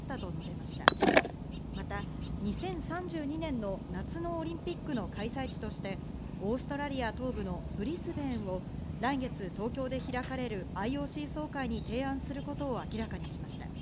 また２０３２年の夏のオリンピックの開催地としてオーストラリア東部のブリスベーンを来月、東京で開かれるＩＯＣ総会に提案することを明らかにしました。